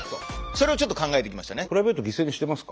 それをちょっと考えてきましたね。